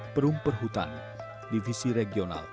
perumper hutan divisi regional